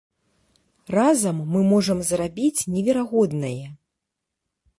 Разам мы можам зрабіць неверагоднае!